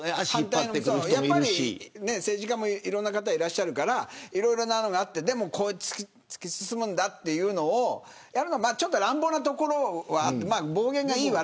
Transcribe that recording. やっぱり、政治家もいろんな方がいらっしゃるからいろんな案があってでも突き進むんだというのをやろうと思うとちょっと乱暴なところはある。